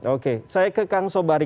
oke saya ke kang sobari